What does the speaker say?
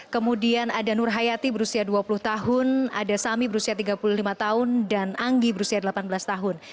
kemudian ada nur hayati berusia dua puluh tahun ada sami berusia tiga puluh lima tahun dan anggi berusia delapan belas tahun